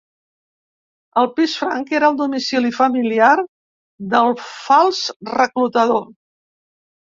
El pis franc era el domicili familiar del fals reclutador.